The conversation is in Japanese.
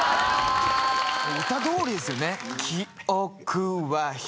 歌どおりですよね。